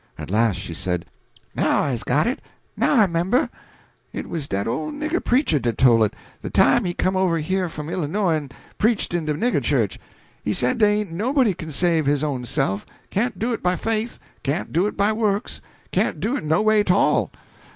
At last she said "Now I's got it; now I 'member. It was dat ole nigger preacher dat tole it, de time he come over here fum Illinois en preached in de nigger church. He said dey ain't nobody kin save his own self can't do it by faith, can't do it by works, can't do it no way at all.